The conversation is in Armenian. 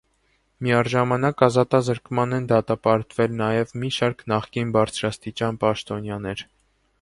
Միաժամանակ ազատազրկման են դատապարտվել նաև մի շարք նախկին բարձրաստիճան պաշտոնյաներ։